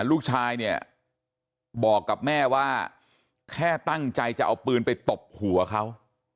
ลูกชายเนี่ยบอกกับแม่ว่าแค่ตั้งใจจะเอาปืนไปตบหัวเขา